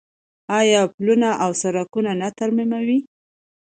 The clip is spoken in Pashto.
آیا پلونه او سړکونه نه ترمیموي؟